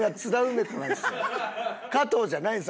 加藤じゃないんです